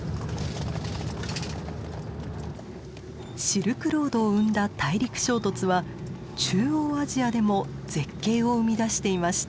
シルクロードを生んだ大陸衝突は中央アジアでも絶景を生み出していました。